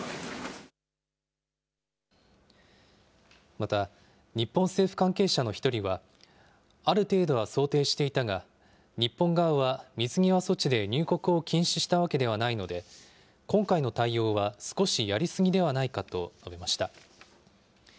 また、日本政府関係者の１人は、ある程度は想定していたが、日本側は水際措置で入国を禁止したわけではないので、今回の対応は少しやりすぎではないかと述べました。